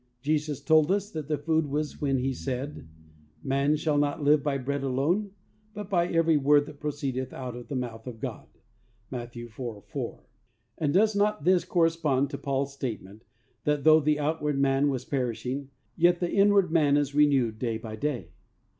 Jesus told us what that food was when He said, "Man shall not live by bread alone, but by every word that proceedeth out of the mouth of God." (Matt. 4: 4.) And does not this correspond to Paul's statement that though the outward man was perishing, yet 90 THE soul winner's SECRET. "the inward man is renewed day by day?"